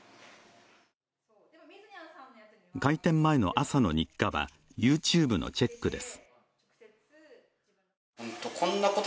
開店前の朝の日課はＹｏｕＴｕｂｅのチェックです